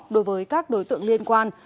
đối với các đối tượng liên quan